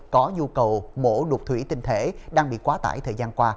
có nhu cầu mổ đục thủy tinh thể đang bị quá tải thời gian qua